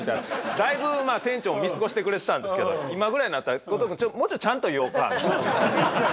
だいぶ店長も見過ごしてくれてたんですけど今ぐらいになったら「後藤君もうちょっとちゃんと言おうか」みたいな。